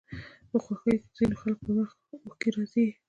په خوښيو کې د ځينو خلکو پر مخ اوښکې راځي